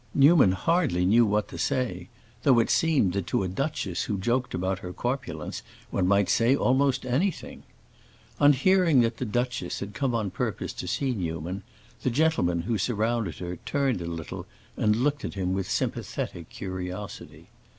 Newman hardly knew what to say, though it seemed that to a duchess who joked about her corpulence one might say almost anything. On hearing that the duchess had come on purpose to see Newman, the gentlemen who surrounded her turned a little and looked at him with sympathetic curiosity.